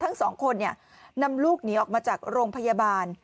ทั้งสองคนนำลูกหนีออกมาจากโรงพยาบาล